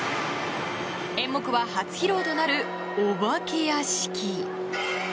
演目は初披露となるお化け屋敷。